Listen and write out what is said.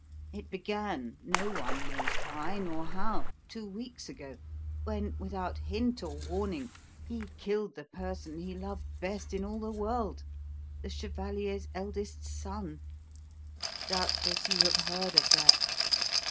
It began, no one knows why nor how, two weeks ago, when, without hint or warning, he killed the person he loved best in all the world the chevalier's eldest son. Doubtless you have heard of that?"